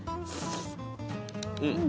うん。